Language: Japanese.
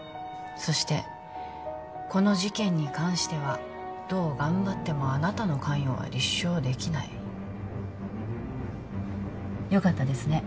そしてこの事件に関してはどう頑張ってもあなたの関与は立証できないよかったですね